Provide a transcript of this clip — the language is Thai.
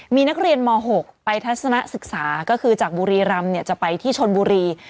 มีนักเรียนม๖ไปทัศนศึกษาก็คือจากบุรีรำจะไปที่ชนบุรี